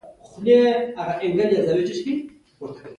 چې په اسمان کې د ګس فارویک سپکاوی لیکي